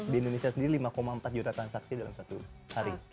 di indonesia sendiri lima empat juta transaksi dalam satu hari